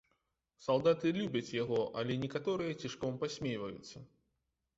Салдаты любяць яго, але некаторыя цішком пасмейваюцца.